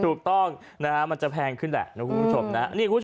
ถูกต้องมันจะแพงขึ้นแหละ